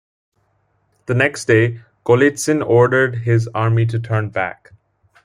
The next day, Golitsyn ordered his army to turn back.